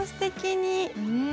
うん。